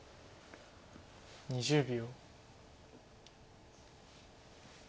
２０秒。